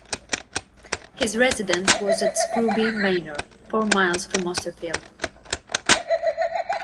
His residence was at Scrooby manor, four miles from Austerfield.